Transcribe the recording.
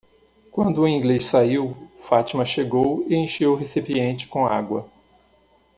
Quando o inglês saiu, Fátima chegou e encheu o recipiente com água.